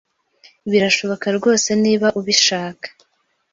Birashoboka rwose niba ubishaka.